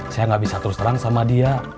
saya gak bisa terus terang sama dia